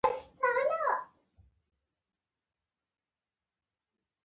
هغه څه چې زموږ بریا تضمینوي.